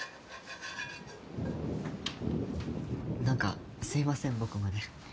なんかすみません僕まで。